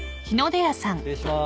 失礼します。